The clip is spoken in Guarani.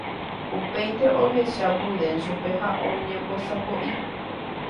Upéinte ohecha Prudencio-pe ha oñembosako'i